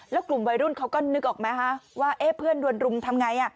แล้วกลุ่มวัยรุ่นเขาก็นึกออกไหมคะว่าเพื่อนโดนรุมทำไง